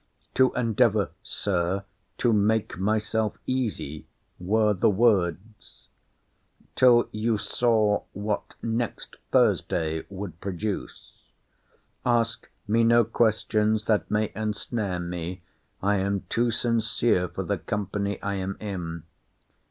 To endeavour, Sir, to make myself easy—were the words—— Till you saw what next Thursday would produce? Ask me no questions that may ensnare me. I am too sincere for the company I am in.